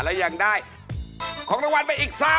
แล้วยังได้ของรางวัลไปอีก๓หมื่นบาท